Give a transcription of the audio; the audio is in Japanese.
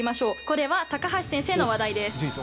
これは高橋先生の話題です。